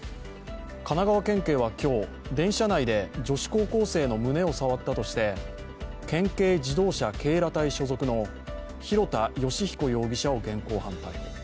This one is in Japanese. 神奈川県警は今日、電車内で女子高校生の胸を触ったとして県警自動車警ら隊所属の広田純彦容疑者を現行犯逮捕。